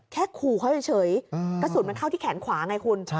ขู่เขาเฉยกระสุนมันเข้าที่แขนขวาไงคุณ